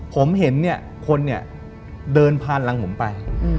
ผมเห็นคนเดินผ่านหลังผมไป